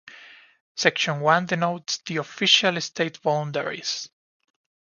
Section one denotes the official state boundaries.